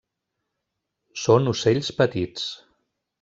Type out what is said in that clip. Són ocells petits.